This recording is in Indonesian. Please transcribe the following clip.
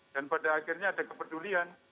dan pada akhirnya ada kepedulian